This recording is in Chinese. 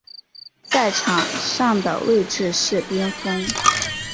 在场上的位置是边锋。